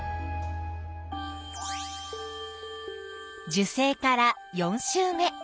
受精から４週目。